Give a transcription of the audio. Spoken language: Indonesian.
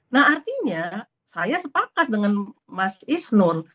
nah artinya saya sepakat dengan mas isnun